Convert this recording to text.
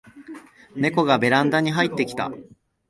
ネコがベランダに入ってきた